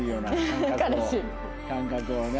感覚をね。